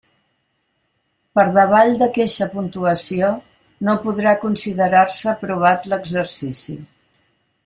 Per davall d'aqueixa puntuació, no podrà considerar-se aprovat l'exercici.